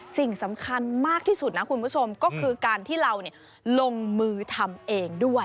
สิ่งสำคัญมากที่สุดนะคุณผู้ชมก็คือการที่เราลงมือทำเองด้วย